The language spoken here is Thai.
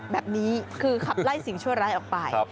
แบบนี้คือขับไล่สิ่งชั่วร้ายออกไป